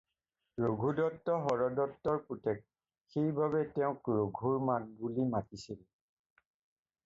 ৰঘুদত্ত হৰদত্তৰ পুতেক, সেইবাবেই তেওঁক ৰঘুৰ মাক বুলি মাতিছিল।